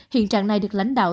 hiện trạng này được lãnh đạo